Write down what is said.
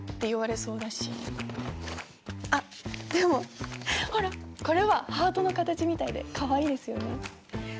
あっでもほらこれはハートの形みたいでかわいいですよね。